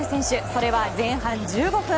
それは前半１５分。